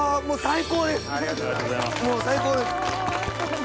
もう最高です。